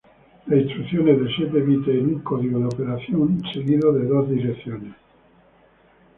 Las instrucciones de siete bytes en un código de operación seguido de dos direcciones.